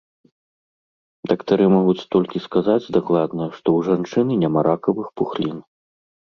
Дактары могуць толькі сказаць дакладна, што ў жанчыны няма ракавых пухлін.